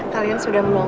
kalian sudah mengucapkan